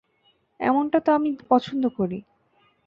এমনটা তো আমি পছন্দ করি।